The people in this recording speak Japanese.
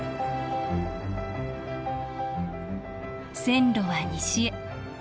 線路は西へ。